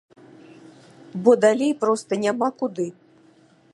Бо далей проста няма куды.